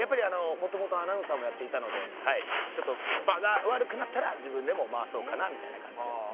もともとアナウンサーもやっていたので場が悪くなったら自分でも回そうかなみたいな感じで。